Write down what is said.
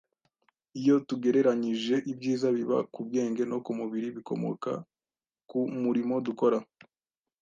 Iyo tugereranyije ibyiza biba ku bwenge no ku mubiri bikomoka ku murimo dukora